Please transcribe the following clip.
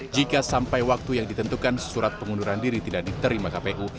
jika sampai waktu yang ditentukan surat pengunduran diri tidak diterima kpu